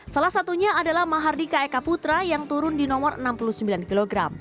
salah satunya adalah mahardika eka putra yang turun di nomor enam puluh sembilan kg